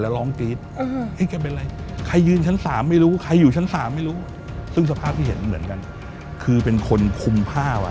ตอนนั้นยังไม่รู้ว่าเป็นเสื้อหู้หรือเป็นผ้า